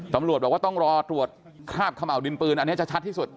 ตำรวจบอกว่าต้องรอตรวจคราบขม่าวดินปืนอันนี้จะชัดที่สุด